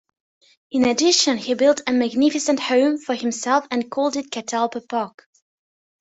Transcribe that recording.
In addition he built a magnificent home for himself and called it Catalpa Park.